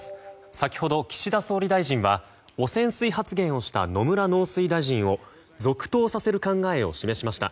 先ほど岸田総理大臣は汚染水発言をした野村農水大臣を続投させる考えを示しました。